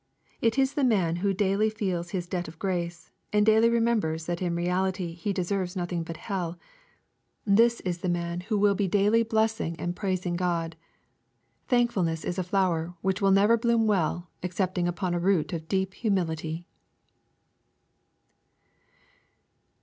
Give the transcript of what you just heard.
It is the man who daily feels his debt to grace, and daily remembers that in reality he deserves nothing but hell, — this is the man who LUKE, CHAP. XVII. 235 will be daily blessing and praising God. Thankfulness re a flower which will never bloom well excepting upon a root of deep humility.